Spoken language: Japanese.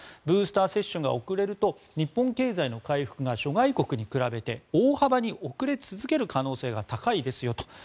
ブースター接種が遅れると日本経済の回復が諸外国に比べて大幅に遅れ続ける可能性が高いですよと。